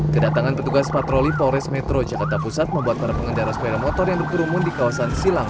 kedatangan petugas patroli polres metro jakarta pusat membuat para pengendara sepeda motor yang berkerumun di kawasan silang